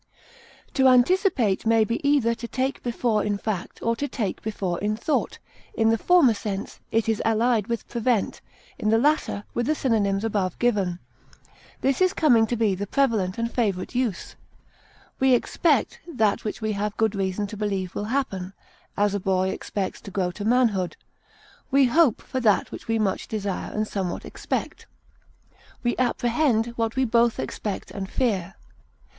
To anticipate may be either to take before in fact or to take before in thought; in the former sense it is allied with prevent; in the latter, with the synonyms above given. This is coming to be the prevalent and favorite use. We expect that which we have good reason to believe will happen; as, a boy expects to grow to manhood. We hope for that which we much desire and somewhat expect. We apprehend what we both expect and fear.